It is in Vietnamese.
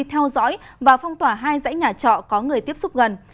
theo dõi và phong tỏa hai dãy nhà trọ có người tiếp xúc gần